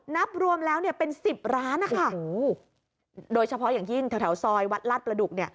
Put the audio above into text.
นับรวมแล้วเป็น๑๐ร้านโดยเฉพาะอย่างยิ่งแถวซอยวัดลาดประดุก